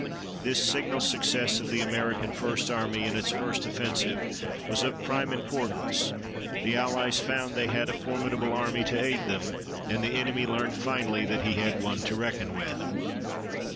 This signal success of the American First Army in its first offensive was of prime importance. The Allies found they had a formidable army to aid them, and the enemy learned finally that he had one to reckon with.